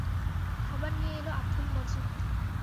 খাবার নিয়ে এল আব্দুল মজিদ।